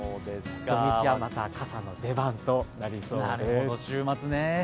土日はまた傘の出番となりそうです。